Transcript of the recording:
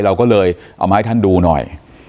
เราก็เลยเอามาให้ท่านดูหน่อย